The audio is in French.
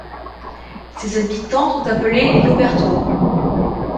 Ses habitants sont appelés les Laubertois.